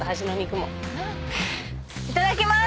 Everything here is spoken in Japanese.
いただきます